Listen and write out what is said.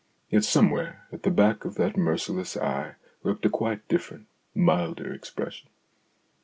Yet somewhere at the back of that merciless eye lurked a quite different, milder expression.